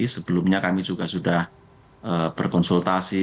sebelumnya kami juga sudah berkonsultasi